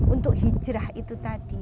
untuk hijrah itu tadi